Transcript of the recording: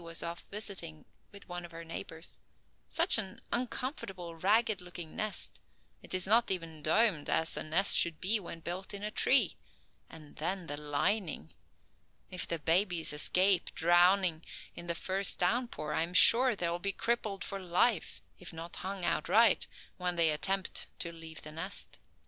was off visiting with one of her neighbors, "such an uncomfortable, ragged looking nest; it is not even domed as a nest should be when built in a tree. And then the lining! If the babies escape drowning in the first down pour, I am sure they'll be crippled for life, if not hung outright, when they attempt to leave the nest.